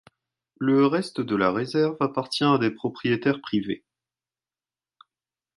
Le reste de la réserve appartient à des propriétaires privés.